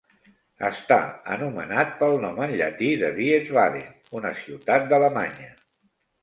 Està anomenat pel nom en llatí de Wiesbaden, una ciutat d'Alemanya.